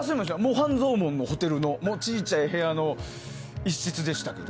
半蔵門のホテルの小さい部屋の一室でしたけど。